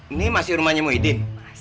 ini masih rumahnya mu'hidin